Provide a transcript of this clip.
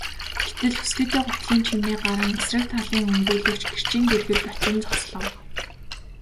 Гэтэл өсгийтэй гутлын чимээ гаран эсрэг талын өмгөөлөгч гэрчийн дэргэд очин зогслоо.